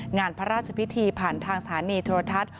งานพระราชพิธีผ่านทางสถานีโทรทัศน์